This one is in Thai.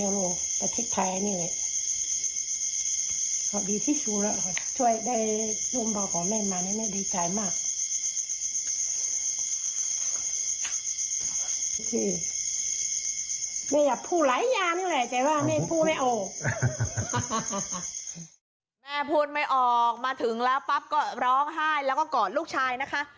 แม่พูดไม่ออกมาถึงแล้วปั๊บก็ร้องไห้แล้วก็กอดลูกชายนะคะ